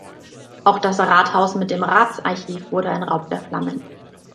Auch das Rathaus mit dem Ratsarchiv wurde ein Raub der Flammen.